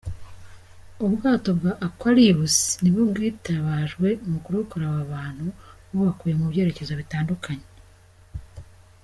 Ubwato bwa “Aquarius” nibwo bwitabajwe mu kurokora aba bantu, bubakuye mu byerekezo bitandatu.